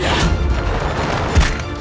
jangan lupa untuk berhenti